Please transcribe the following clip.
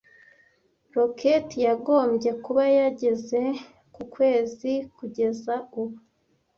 Roketi yagombye kuba yageze ku kwezi kugeza ubu.